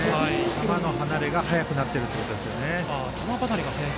球の離れが早くなっているということですね。